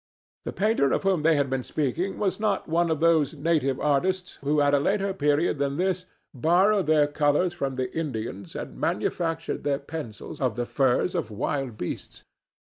The painter of whom they had been speaking was not one of those native artists who at a later period than this borrowed their colors from the Indians and manufactured their pencils of the furs of wild beasts.